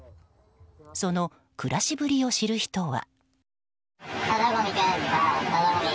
その暮らしぶりを知る人は。